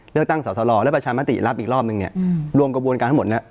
เลือกตั้งสอสลและประชามติรับอีกรอบนึงเนี่ยรวมกระบวนการทั้งหมดเนี่ย